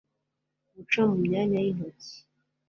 guca mu myanya y'intoki